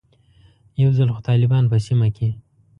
یو ځل خو طالبان په سیمه کې.